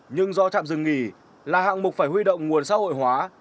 nhưng do trạm dừng nghỉ là hạng mục phải huy động nguồn xã hội hóa